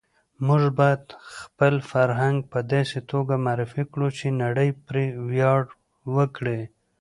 موږ باید خپل فرهنګ په داسې توګه معرفي کړو چې نړۍ پرې ویاړ وکړي.